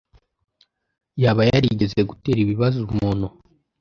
yaba yarigeze gutera ibibazo umuntu?